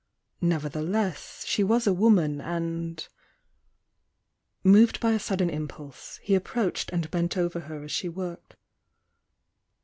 Nev icrtheless she was a woman, and — Moved by a sudden impulse, he approached and bent over her as she \v trked.